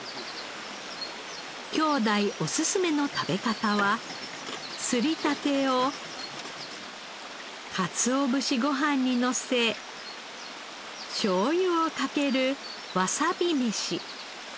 兄弟おすすめの食べ方はすりたてをかつお節ご飯にのせしょうゆをかけるわさび飯。